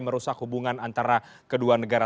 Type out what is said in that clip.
merusak hubungan antara kedua negara